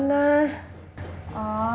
tukang urutnya mana